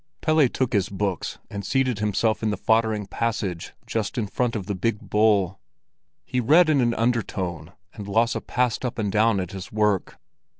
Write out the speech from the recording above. Pelle took his books and seated himself in the foddering passage just in front of the big bull. He read in an undertone, and Lasse passed up and down at his work.